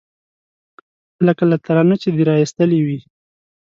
_لکه له تناره چې دې را ايستلې وي.